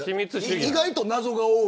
意外と謎が多い。